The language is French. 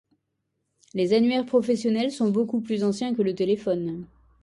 Les annuaires professionnels sont beaucoup plus anciens que le téléphone.